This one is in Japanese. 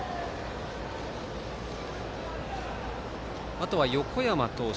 あとは横山投手